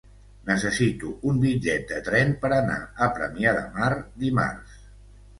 Necessito un bitllet de tren per anar a Premià de Mar dimarts.